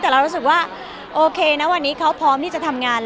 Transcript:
แต่เรารู้สึกว่าโอเคนะวันนี้เขาพร้อมที่จะทำงาน